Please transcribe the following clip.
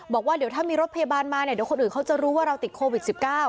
บอกว่าเดี๋ยวถ้ามีรถพยาบาลมาเนี่ยเดี๋ยวคนอื่นเขาจะรู้ว่าเราติดโควิด๑๙